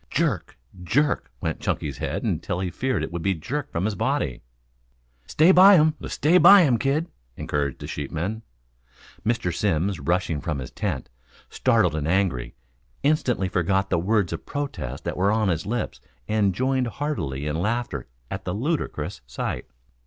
Jerk, jerk, went Chunky's head until he feared it would be jerked from his body. "Stay by him, stay by him, kid," encouraged a sheepman. Mr. Simms rushing from his tent, startled and angry, instantly forgot the words of protest that were on his lips and joined heartily in laughter at the ludicrous sight.